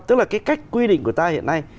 tức là cái cách quy định của ta hiện nay